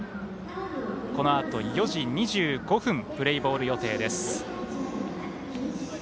このあと４時２５分プレーボール予定です。